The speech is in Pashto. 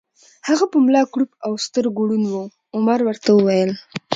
هغه په ملا کړوپ او سترګو ړوند و، عمر ورته وویل: